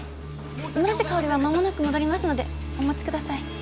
村瀬香織はまもなく戻りますのでお待ちください。